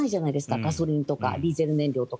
ガソリンとかディーゼル燃料とか。